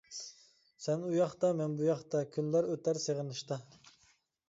سەن ئۇياقتا مەن بۇياقتا، كۈنلەر ئۆتەر سېغىنىشتا.